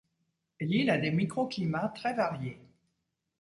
L'île a des micro-climats très variés.